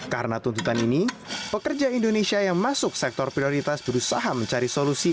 karena tuntutan ini pekerja indonesia yang masuk sektor prioritas berusaha mencari solusi